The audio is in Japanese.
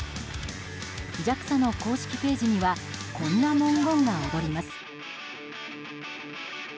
ＪＡＸＡの公式ページにはこんな文言が躍ります。